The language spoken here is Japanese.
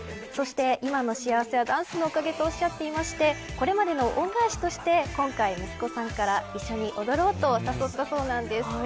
そして今の幸せはダンスのおかげとおっしゃっていましてこれまでの恩返しとして今回、息子さんから一緒に踊ろうと誘ったそうです。